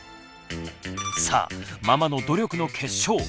さあママの努力の結晶。